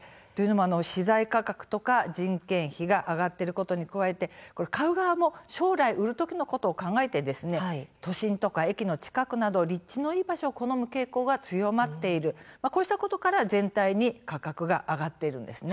資材価格とか人件費が上がっていることに加えて買う側も将来の売る時のことを考えて都心とか駅の近くなど立地のいい場所を好む傾向が強まっていることから全体的に価格が上がっているんです。